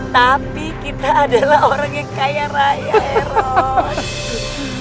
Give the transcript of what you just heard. tapi kita adalah orang yang kaya raya